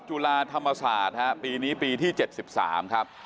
จุฬาธรรมศาสตร์ปีนี้ปีที่๗๓ครับ